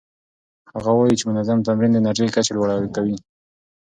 هغه وايي چې منظم تمرین د انرژۍ کچه لوړه کوي.